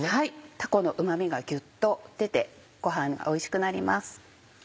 たこのうま味がギュっと出てご飯がおいしくなります。